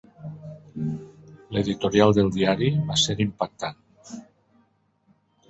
L'editorial del diari va ser impactant.